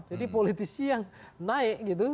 jadi politisi yang naik gitu